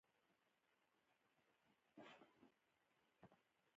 ننګرهار د افغانستان د ځانګړي ډول جغرافیه استازیتوب کوي.